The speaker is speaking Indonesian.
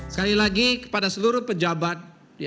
sekali lagi kepada seluruh pejabat